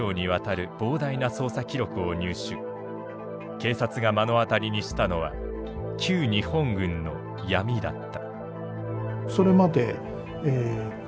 警察が目の当たりにしたのは旧日本軍の闇だった。